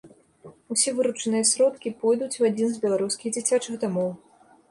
Усе выручаныя сродкі пойдуць у адзін з беларускіх дзіцячых дамоў!